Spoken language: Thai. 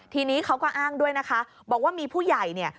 ทีนี้เขาก็อ้างด้วยนะคะบอกว่ามีผู้ใหญ่เนี่ย